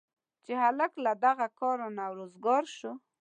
چې هلک له دغه کاره نه وزګار شو.